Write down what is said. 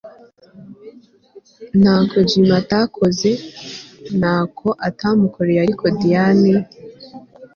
Ntako Jimmy atakoze ntaco atamukoreye ariko Diane